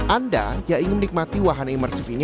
anda yang ingin menikmati wahan imersif ini